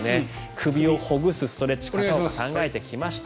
首をほぐすストレッチ考えてきました。